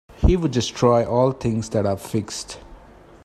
He would destroy all things that are fixed.